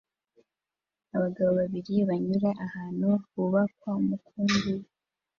Abagabo babiri banyura ahantu hubakwa umukungugu